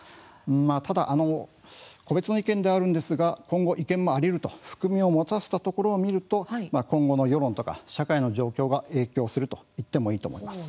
ただ個別の意見ではあるんですが今後、違憲もありえると含みを持たせたところを見ると今後の世論とか社会の状況が影響するといってもいいと思います。